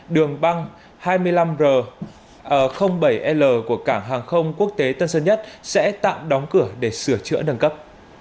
đường băng hai mươi năm r bảy l của cảng hàng không quốc tế tân sơn nhất sẽ tạm đóng cửa để sửa chữa nâng cấp